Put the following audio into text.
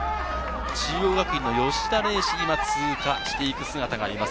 中央学院の吉田礼志、今通過していく姿があります。